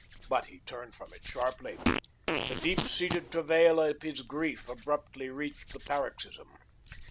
But he turned from it sharply. The deep seated travail of his grief abruptly reached the paroxysm.